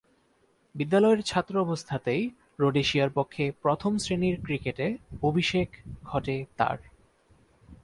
বিদ্যালয়ের ছাত্র অবস্থাতেই রোডেশিয়ার পক্ষে প্রথম-শ্রেণীর ক্রিকেটে অভিষেক ঘটে তার।